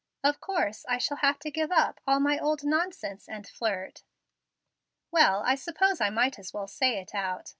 Of course I shall have to give up all my old nonsense and flirt Well, I suppose I might as well say it out.